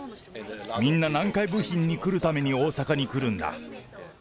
みんな、南海部品に来るために大阪に来るんだ。